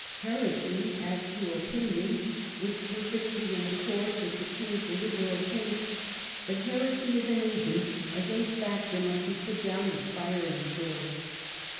Heresy as an opinion was perfectly in accord with the King's Hberal taste ; but heresy as an agent, as a factor, must be put down with fire and sword.